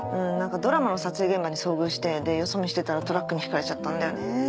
ドラマの撮影現場に遭遇してよそ見してたらトラックにひかれちゃったんだよね。